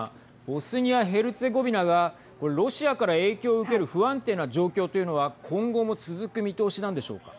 ボスニア・ヘルツェゴビナがロシアから影響を受ける不安定な状況というのは今後も続く見通しなんでしょうか。